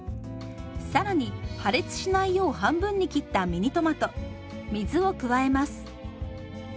更に破裂しないよう半分に切ったミニトマト水を加えます。